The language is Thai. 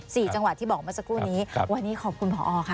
จังหวัดที่บอกเมื่อสักครู่นี้ครับวันนี้ขอบคุณผอค่ะ